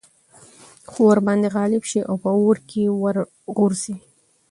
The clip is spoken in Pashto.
خو ورباندي غالب شي او په اور كي ورغورځي